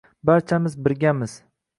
Barchamiz birgamiz